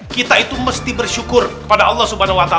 kita itu mesti bersyukur kepada allah swt